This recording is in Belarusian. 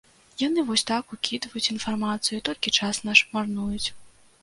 Яны вось так укідваюць інфармацыю і толькі час наш марнуюць.